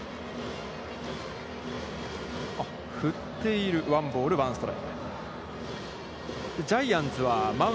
振っている、ワンボール、ワンストライク。